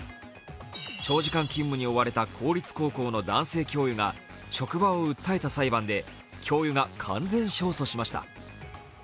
長時間勤務に追われた公立高校の男性教諭が職場を訴えた裁判で教諭が完全勝訴しました。